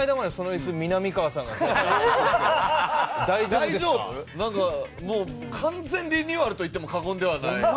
なんかもう完全リニューアルと言っても過言ではない。